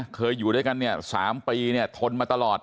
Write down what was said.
อยู่ด้วยกันเนี่ย๓ปีเนี่ยทนมาตลอด